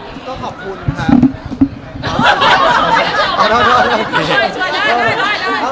งี้คือเราพูดไง